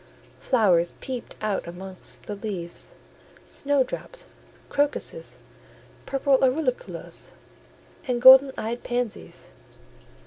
Flowers peeped out amongst the leaves; snow drops, crocuses, purple auriculas, and golden eyed pansies.